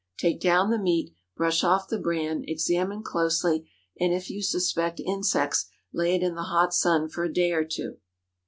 Take down the meat, brush off the bran, examine closely, and if you suspect insects, lay it in the hot sun for a day or two.